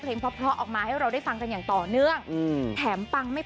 เป็นตาหักป่านนี่ให้เคอรี่มาส่งได้บ่